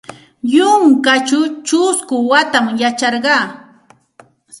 Yunkaćhaw ćhusku watam yacharqa.